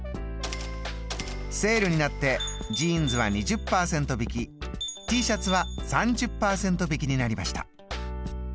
セールになってジーンズは２０％引きＴシャツは３０％引きになりました。